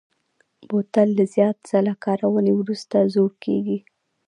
بوتل له زیات ځله کارونې وروسته زوړ کېږي.